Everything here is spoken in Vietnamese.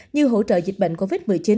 như hỗ trợ dịch bệnh covid một mươi chín